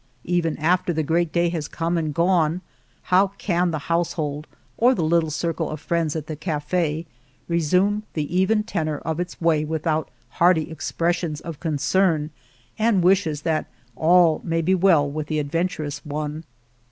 Even after the great day has come and gone, how can the household or the little circle of friends at the caf6 resume the even tenor of its way without hearty expressions of concern and wishes that all may be well with the adventurous one